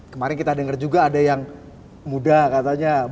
kemarin kita dengar juga ada yang muda katanya